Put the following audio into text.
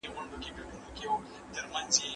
ثانیه وايي، ژوند کې شهرت او پیسې مهم نه دي.